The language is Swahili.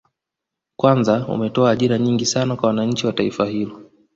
Kwanza umetoa ajira nyingi sana kwa wananchi wa taifa hilo